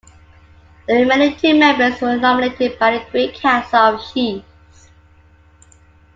The remaining two members were nominated by the Great Council of Chiefs.